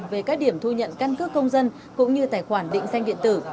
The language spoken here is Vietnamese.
về các điểm thu nhận căn cước công dân cũng như tài khoản định danh điện tử